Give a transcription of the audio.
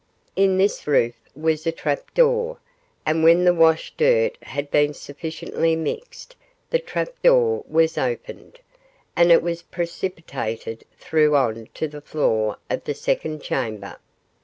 In this roof was a trap door, and when the wash dirt had been sufficiently mixed the trap door was opened, and it was precipitated through on to the floor of the second chamber.